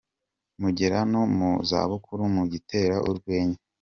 Mugera no mu zabukuru mu gitera urwenya.